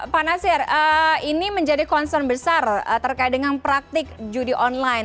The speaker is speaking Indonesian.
pak nasir ini menjadi concern besar terkait dengan praktik judi online